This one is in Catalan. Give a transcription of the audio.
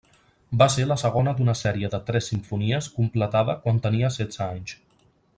Va ser la segona d'una sèrie de tres simfonies completada quan tenia setze anys.